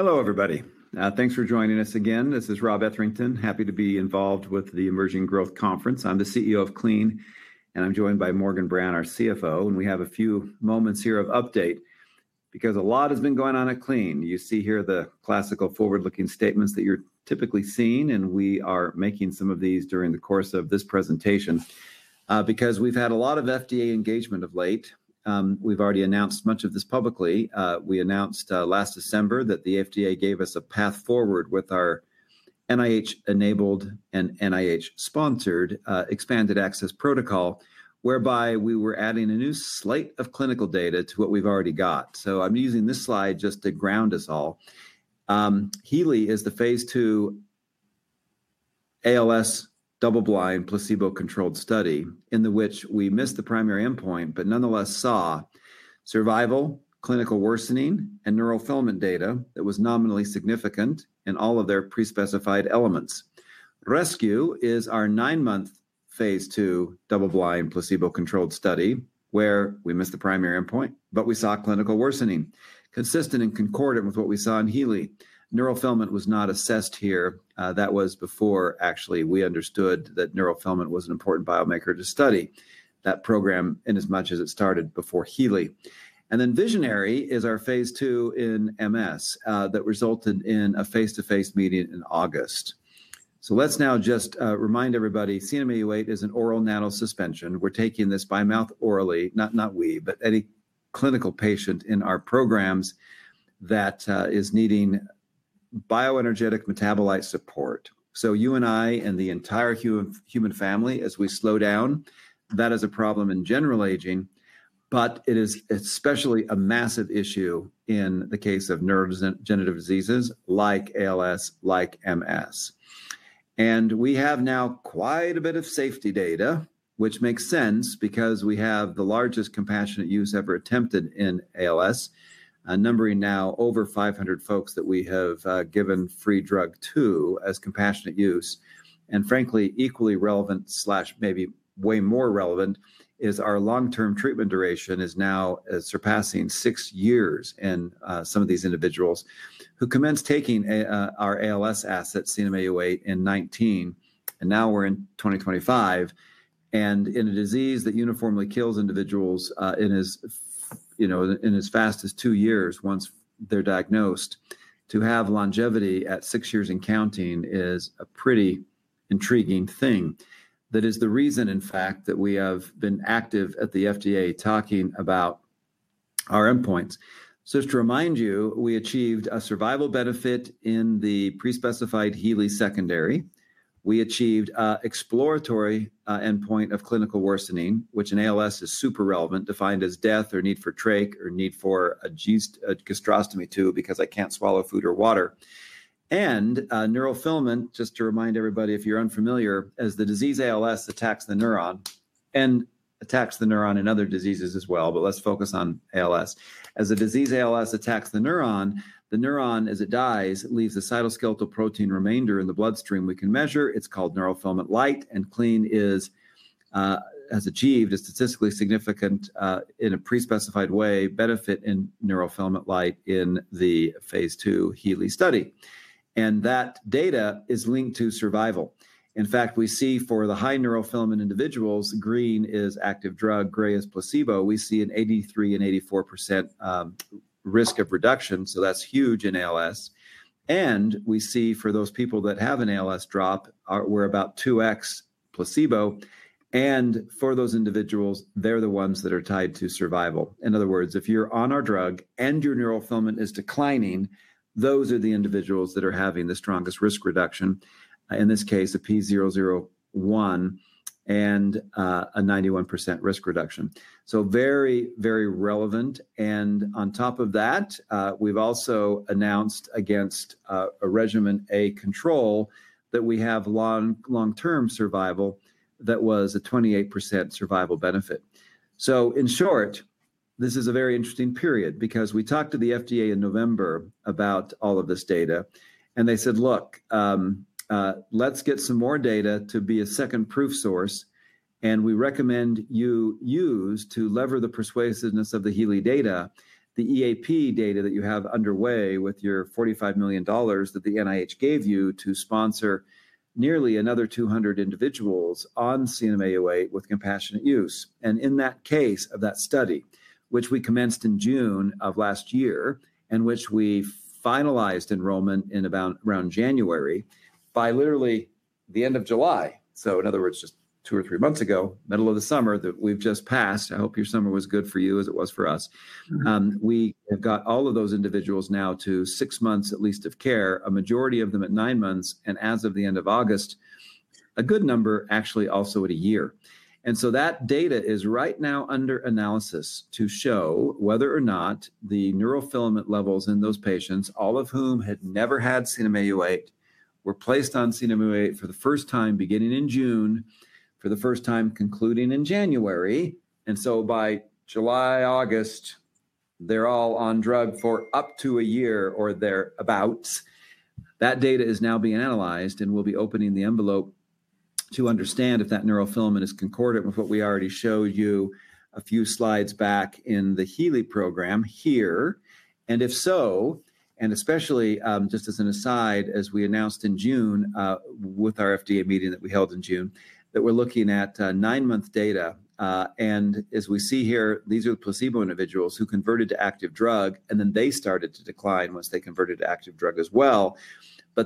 Hello, everybody. Thanks for joining us again. This is Rob Etherington. Happy to be involved with the Emerging Growth Conference. I'm the CEO of Clene Inc., and I'm joined by Morgan Brown, our CFO. We have a few moments here of update because a lot has been going on at Clene Inc. You see here the classical forward-looking statements that you're typically seeing, and we are making some of these during the course of this presentation because we've had a lot of FDA engagement of late. We've already announced much of this publicly. We announced last December that the FDA gave us a path forward with our NIH-enabled and NIH-sponsored expanded access protocol, whereby we were adding a new slate of clinical data to what we've already got. I'm using this slide just to ground us all. Healy is the Phase II ALS double-blind placebo-controlled study in which we missed the primary endpoint, but nonetheless saw survival, clinical worsening, and neural filament data that was nominally significant in all of their pre-specified elements. Rescue is our nine-month Phase II double-blind placebo-controlled study where we missed the primary endpoint, but we saw clinical worsening consistent and concordant with what we saw in Healy. Neural filament was not assessed here. That was before we actually understood that neural filament was an important biomarker to study that program in as much as it started before Healy. Visionary is our Phase II in MS that resulted in a face-to-face meeting in August. Let's now just remind everybody, CNM-Au8 is an oral nanocrystal suspension. We're taking this by mouth orally, not we, but any clinical patient in our programs that is needing bioenergetic metabolite support. You and I and the entire human family, as we slow down, that is a problem in general aging, but it is especially a massive issue in the case of neurodegenerative diseases like ALS, like MS. We have now quite a bit of safety data, which makes sense because we have the largest compassionate use ever attempted in ALS, numbering now over 500 folks that we have given free drug to as compassionate use. Frankly, equally relevant, maybe way more relevant, is our long-term treatment duration is now surpassing six years in some of these individuals who commenced taking our ALS asset, CNM-Au8, in 2019, and now we're in 2025. In a disease that uniformly kills individuals in as fast as two years once they're diagnosed, to have longevity at six years and counting is a pretty intriguing thing. That is the reason, in fact, that we have been active at the U.S. Food and Drug Administration (FDA) talking about our endpoints. Just to remind you, we achieved a survival benefit in the pre-specified Healy secondary. We achieved an exploratory endpoint of clinical worsening, which in ALS is super relevant, defined as death or need for trach or need for a gastrostomy tube because I can't swallow food or water. Neural filament, just to remind everybody, if you're unfamiliar, as the disease ALS attacks the neuron and attacks the neuron in other diseases as well, but let's focus on ALS. As the disease ALS attacks the neuron, the neuron, as it dies, leaves a cytoskeletal protein remainder in the bloodstream. We can measure it. It's called neural filament light, and Clene has achieved a statistically significant, in a pre-specified way, benefit in neural filament light in the Phase II Healy study. That data is linked to survival. In fact, we see for the high neural filament individuals, green is active drug, gray is placebo. We see an 83% and 84% risk reduction, so that's huge in ALS. We see for those people that have an ALS drop, we're about 2x placebo. For those individuals, they're the ones that are tied to survival. In other words, if you're on our drug and your neural filament is declining, those are the individuals that are having the strongest risk reduction, in this case, a P001 and a 91% risk reduction. Very, very relevant. On top of that, we've also announced against a regimen A control that we have long-term survival that was a 28% survival benefit. In short, this is a very interesting period because we talked to the FDA in November about all of this data, and they said, look, let's get some more data to be a second proof source. We recommend you use to lever the persuasiveness of the Healy data, the expanded access protocol (EAP) data that you have underway with your $45 million that the NIH gave you to sponsor nearly another 200 individuals on CNM-Au8 with compassionate use. In that case of that study, which we commenced in June of last year and which we finalized enrollment in around January by literally the end of July, in other words, just two or three months ago, middle of the summer that we've just passed. I hope your summer was good for you as it was for us. We have got all of those individuals now to six months at least of care, a majority of them at nine months, and as of the end of August, a good number actually also at a year. That data is right now under analysis to show whether or not the neural filament levels in those patients, all of whom had never had CNM-Au8, were placed on CNM-Au8 for the first time beginning in June, for the first time concluding in January. By July, August, they're all on drug for up to a year or thereabouts. That data is now being analyzed, and we'll be opening the envelope to understand if that neural filament is concordant with what we already showed you a few slides back in the Healy program here. Especially just as an aside, as we announced in June with our FDA meeting that we held in June, we're looking at nine-month data. As we see here, these are the placebo individuals who converted to active drug, and then they started to decline once they converted to active drug as well.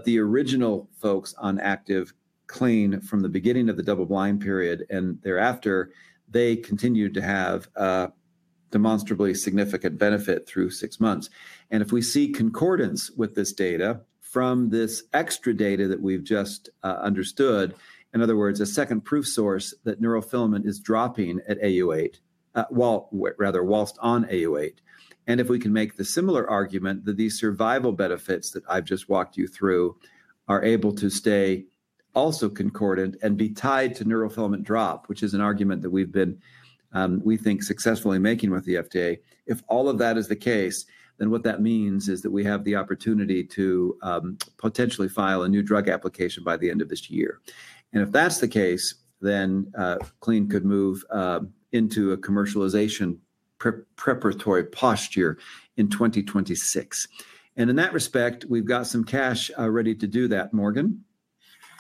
The original folks on active Clene from the beginning of the double-blind period and thereafter continued to have a demonstrably significant benefit through six months. If we see concordance with this data from this extra data that we've just understood, in other words, a second proof source that neural filament is dropping at CNM-Au8, rather whilst on CNM-Au8, and if we can make the similar argument that these survival benefits that I've just walked you through are able to stay also concordant and be tied to neural filament drop, which is an argument that we've been, we think, successfully making with the FDA. If all of that is the case, then what that means is that we have the opportunity to potentially file a new drug application by the end of this year. If that's the case, then Clene could move into a commercialization preparatory posture in 2026. In that respect, we've got some cash ready to do that, Morgan?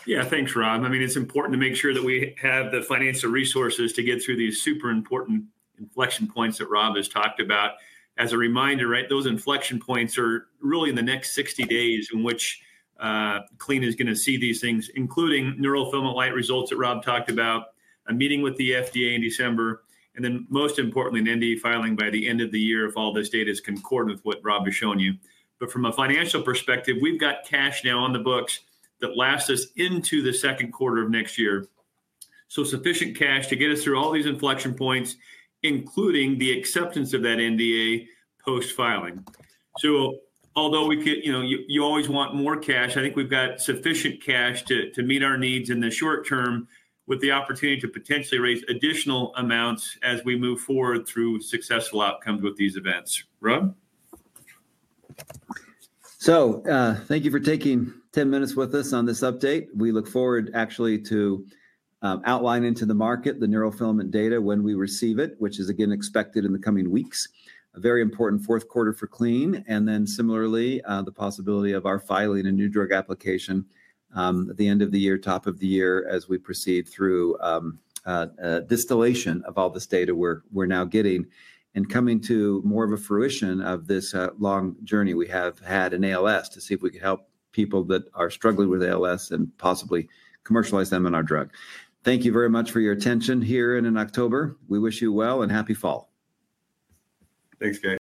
Yeah, thanks, Rob. I mean, it's important to make sure that we have the financial resources to get through these super important inflection points that Rob has talked about. As a reminder, those inflection points are really in the next 60 days in which Clene is going to see these things, including neural filament light results that Rob talked about, a meeting with the U.S. Food and Drug Administration in December, and then most importantly, an NDA filing by the end of the year if all this data is concordant with what Rob has shown you. From a financial perspective, we've got cash now on the books that lasts us into the second quarter of next year. Sufficient cash to get us through all these inflection points, including the acceptance of that NDA post-filing. Although you always want more cash, I think we've got sufficient cash to meet our needs in the short term with the opportunity to potentially raise additional amounts as we move forward through successful outcomes with these events. Rob? Thank you for taking 10 minutes with us on this update. We look forward to outlining to the market the neural filament data when we receive it, which is again expected in the coming weeks. A very important fourth quarter for Clene. Similarly, the possibility of our filing a new drug application at the end of the year, top of the year, as we proceed through distillation of all this data we're now getting and coming to more of a fruition of this long journey we have had in ALS to see if we can help people that are struggling with ALS and possibly commercialize them in our drug. Thank you very much for your attention here and in October. We wish you well and happy fall. Thanks guys.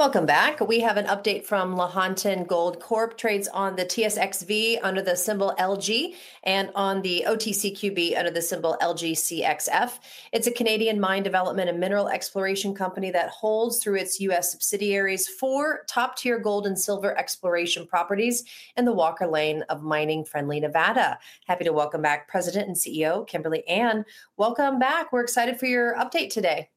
Welcome back. We have an update from Lahontan Gold Corp. Trades on the TSXV under the symbol LG and on the OTCQB under the symbol LGCXF. It's a Canadian mine development and mineral exploration company that holds through its U.S. subsidiaries four top-tier gold and silver exploration properties in the Walker Lane of mining-friendly Nevada. Happy to welcome back President and CEO Kimberly Ann. Welcome back. We're excited for your update today.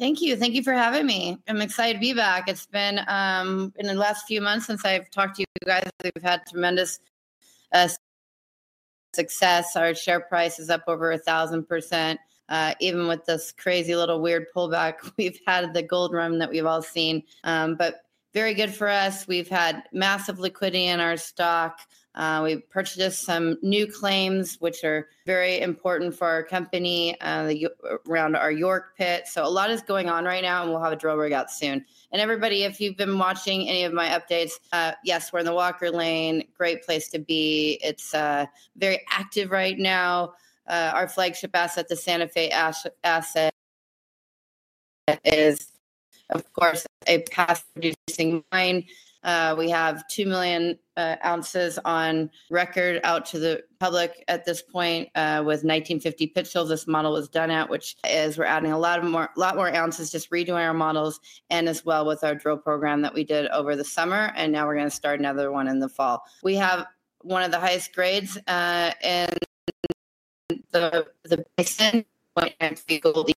Thank you. Thank you for having me. I'm excited to be back. It's been in the last few months since I've talked to you guys, we've had tremendous success. Our share price is up over 1,000%, even with this crazy little weird pullback we've had in the gold run that we've all seen. Very good for us. We've had massive liquidity in our stock. We purchased some new claims, which are very important for our company around our York pit. A lot is going on right now, and we'll have a drill breakout soon. If you've been watching any of my updates, yes, we're in the Walker Lane. Great place to be. It's very active right now. Our flagship asset, the Santa Fe asset, is, of course, a past producing mine. We have 2 million ounces on record out to the public at this point with 1950 pit shells. This model was done at, which is we're adding a lot more ounces, just redoing our models and as well with our drill program that we did over the summer. Now we're going to start another one in the fall. We have one of the highest grades in the basin: 0.3 gold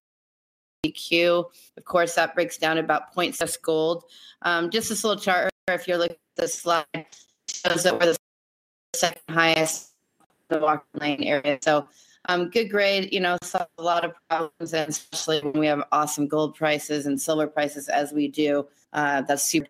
EQ. Of course, that breaks down to about 0.6 gold. This little chart, if you look at the slide, shows over the second highest in the Walker Lane area. Good grade. It's a lot of problems, and especially when we have awesome gold prices and silver prices as we do. That's super.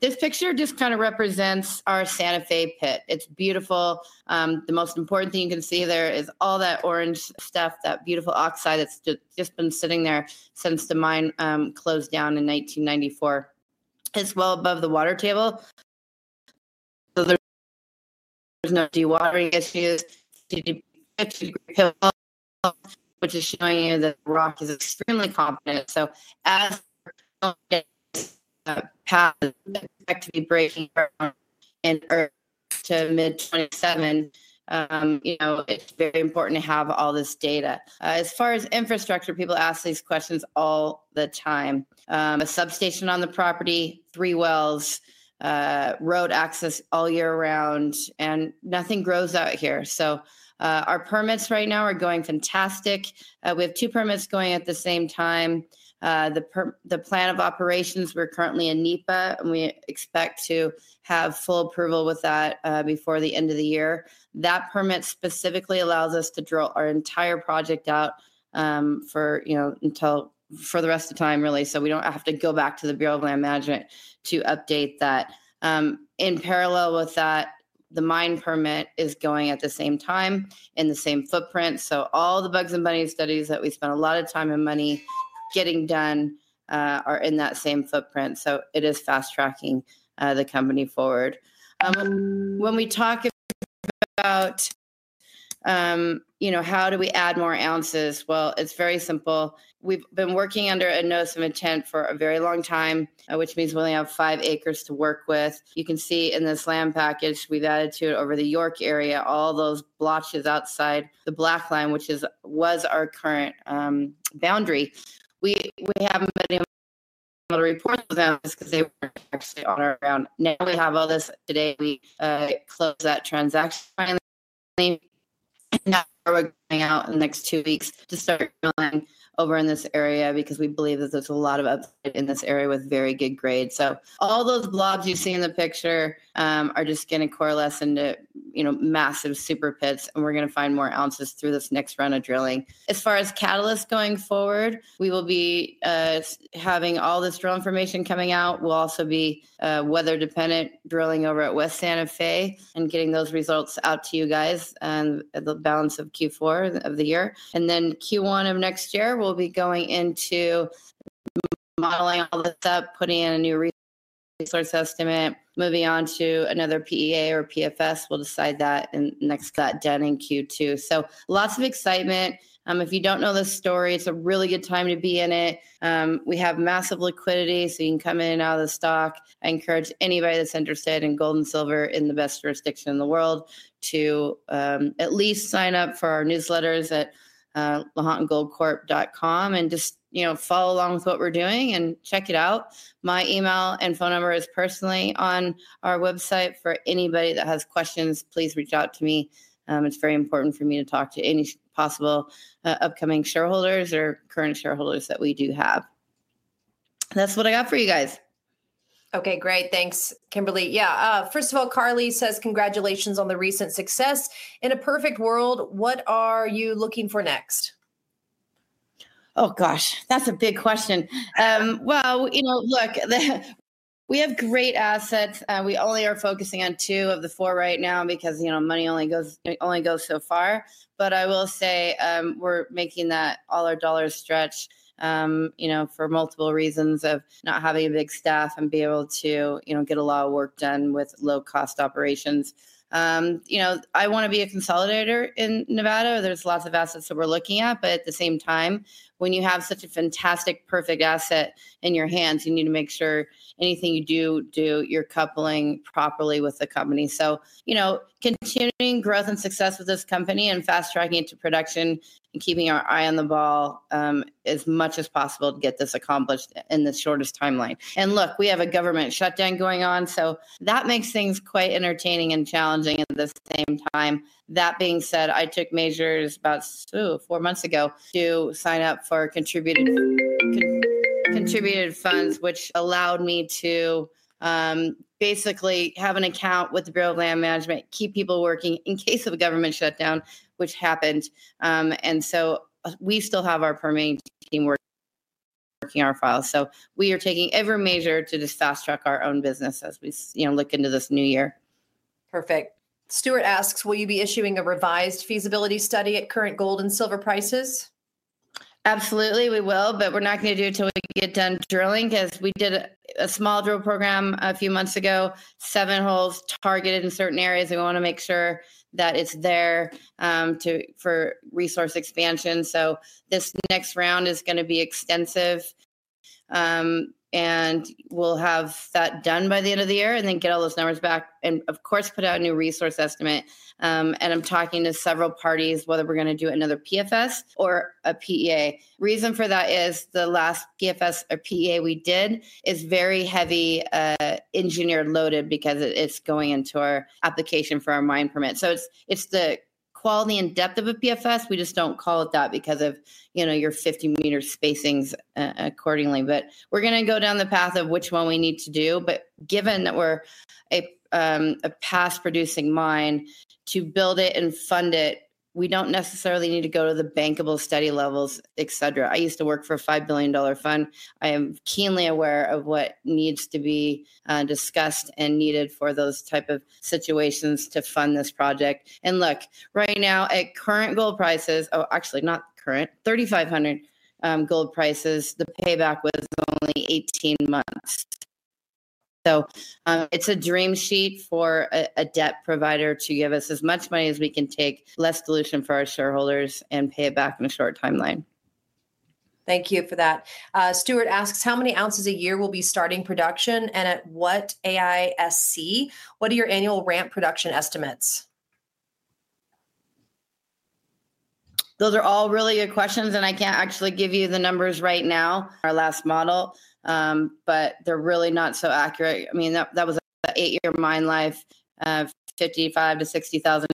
This picture just kind of represents our Santa Fe pit. It's beautiful. The most important thing you can see there is all that orange stuff, that beautiful oxide that's just been sitting there since the mine closed down in 1994. It's well above the water table. There's no dewatering issues. You can see the 50-degree pit wall, which is showing you that the rock is extremely competent. As the path is expected to be breaking from in Earth to mid-2027, it's very important to have all this data. As far as infrastructure, people ask these questions all the time. A substation on the property, three wells, road access all year round, and nothing grows out here. Our permits right now are going fantastic. We have two permits going at the same time. The plan of operations, we're currently in NEPA, and we expect to have full approval with that before the end of the year. That permit specifically allows us to drill our entire project out for the rest of the time, really, so we don't have to go back to the Bureau of Land Management to update that. In parallel with that, the mine permit is going at the same time in the same footprint. All the bugs and bunnies studies that we spent a lot of time and money getting done are in that same footprint. It is fast tracking the company forward. When we talk about how do we add more ounces, it's very simple. We've been working under a notice of intent for a very long time, which means we only have five acres to work with. You can see in this land package we've added to it over the York area, all those blotches outside the black line, which was our current boundary. We haven't been able to report those ounces because they weren't actually on our ground. Now we have all this today. We closed that transaction finally. Now we're going out in the next two weeks to start drilling over in this area because we believe that there's a lot of upside in this area with very good grade. All those blobs you see in the picture are just going to coalesce into massive super pits, and we're going to find more ounces through this next round of drilling. As far as catalyst going forward, we will be having all this drill information coming out. We'll also be weather-dependent drilling over at West Santa Fe and getting those results out to you guys at the balance of Q4 of the year. Q1 of next year, we'll be going into modeling all this up, putting in a new resource estimate, moving on to another PEA or PFS. We'll decide that in the next. That done in Q2. Lots of excitement. If you don't know this story, it's a really good time to be in it. We have massive liquidity, so you can come in and out of the stock. I encourage anybody that's interested in gold and silver in the best jurisdiction in the world to at least sign up for our newsletters at lahontangoldcorp.com and just follow along with what we're doing and check it out. My email and phone number is personally on our website. For anybody that has questions, please reach out to me. It's very important for me to talk to any possible upcoming shareholders or current shareholders that we do have. That's what I got for you guys. OK, great. Thanks, Kimberly. First of all, Carly says congratulations on the recent success. In a perfect world, what are you looking for next? Oh, gosh, that's a big question. You know, look, we have great assets. We only are focusing on two of the four right now because money only goes so far. I will say we're making all our dollars stretch for multiple reasons of not having a big staff and being able to get a lot of work done with low-cost operations. I want to be a consolidator in Nevada. There are lots of assets that we're looking at. At the same time, when you have such a fantastic, perfect asset in your hands, you need to make sure anything you do, you're coupling properly with the company. Continuing growth and success with this company and fast tracking it to production and keeping our eye on the ball as much as possible to get this accomplished in the shortest timeline. Look, we have a government shutdown going on. That makes things quite entertaining and challenging at the same time. That being said, I took measures about four months ago to sign up for contributed funds, which allowed me to basically have an account with the Bureau of Land Management, keep people working in case of a government shutdown, which happened. We still have our permitting team working our files. We are taking every measure to just fast track our own business as we look into this new year. Perfect. Stuart asks, will you be issuing a revised feasibility study at current gold and silver prices? Absolutely, we will. We're not going to do it until we get done drilling because we did a small drill program a few months ago, seven holes targeted in certain areas. We want to make sure that it's there for resource expansion. This next round is going to be extensive. We'll have that done by the end of the year and then get all those numbers back and, of course, put out a new resource estimate. I'm talking to several parties whether we're going to do another PFS or a PEA. The reason for that is the last PFS or PEA we did is very heavy engineer loaded because it's going into our application for our mine permit. It's the quality and depth of a PFS. We just don't call it that because of your 50-meter spacings accordingly. We're going to go down the path of which one we need to do. Given that we're a passive producing mine, to build it and fund it, we don't necessarily need to go to the bankable study levels, etc. I used to work for a $5 billion fund. I am keenly aware of what needs to be discussed and needed for those types of situations to fund this project. Right now at current gold prices, oh, actually, not current, $3,500 gold prices, the payback was only 18 months. It's a dream sheet for a debt provider to give us as much money as we can take, less dilution for our shareholders, and pay it back in a short timeline. Thank you for that. Stuart asks, how many ounces a year will be starting production and at what AISC? What are your annual ramp production estimates? Those are all really good questions. I can't actually give you the numbers right now. Our last model, they're really not so accurate. I mean, that was an eight-year mine life, 55,000 to 60,000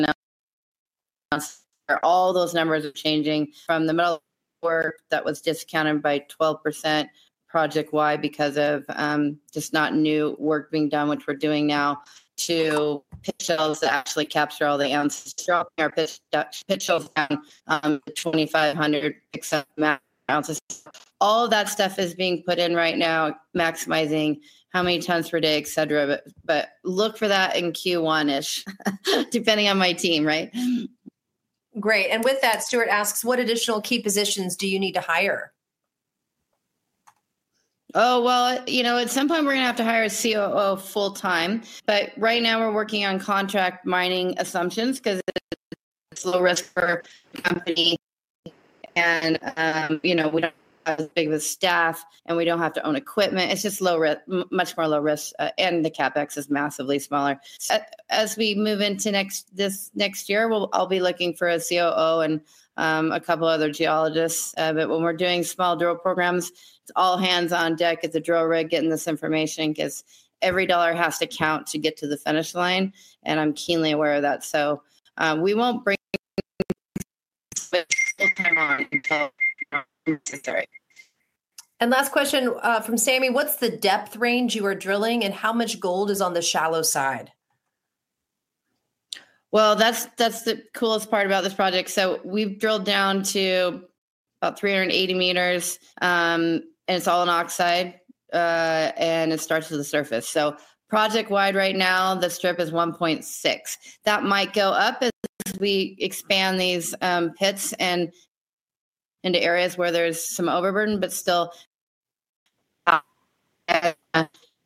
ounces. All those numbers are changing from the metal work that was discounted by 12% project-wide because of just not new work being done, which we're doing now, to pit shells that actually capture all the ounces, dropping our pit shells down to 2,500, 6,000 ounces. All of that stuff is being put in right now, maximizing how many tons per day, et cetera. Look for that in Q1-ish, depending on my team, right? Great. With that, Stuart asks, what additional key positions do you need to hire? Oh, you know, at some point, we're going to have to hire a COO full time. Right now, we're working on contract mining assumptions because it's low risk for the company. We don't have as big of a staff, and we don't have to own equipment. It's just much more low risk, and the CapEx is massively smaller. As we move into next year, I'll be looking for a COO and a couple of other geologists. When we're doing small drill programs, it's all hands on deck at the drill rig getting this information because every dollar has to count to get to the finish line. I'm keenly aware of that. We won't bring a full-time one until it's necessary. Last question from Sammy. What's the depth range you are drilling, and how much gold is on the shallow side? That's the coolest part about this project. We've drilled down to about 380 meters, and it's all in oxide. It starts at the surface. Project-wide right now, the strip is 1.6. That might go up as we expand these pits into areas where there's some overburden, but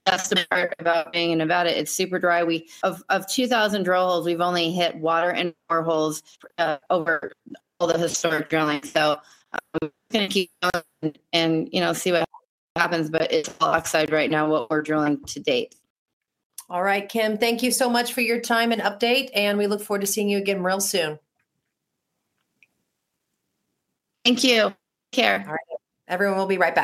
that's the part about being in Nevada. It's super dry. Of 2,000 drill holes, we've only hit water in more holes over all the historic drilling. We're going to keep going and see what happens. It's all oxide right now, what we're drilling to date. All right, Kimberly Ann, thank you so much for your time and update. We look forward to seeing you again real soon. Thank you. Take care. All right. Everyone will be back.